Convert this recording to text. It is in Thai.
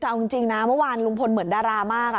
แต่เอาจริงนะเมื่อวานลุงพลเหมือนดารามาก